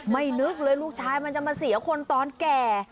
นึกเลยลูกชายมันจะมาเสียคนตอนแก่